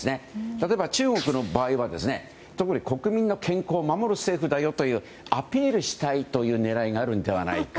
例えば中国の場合は特に国民の健康を守る政府だよっていうアピールしたいという狙いがあるのではないか。